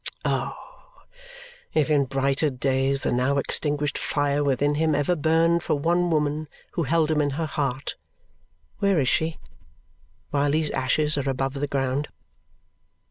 Oh, if in brighter days the now extinguished fire within him ever burned for one woman who held him in her heart, where is she, while these ashes are above the ground!